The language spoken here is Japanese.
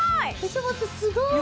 すごーい！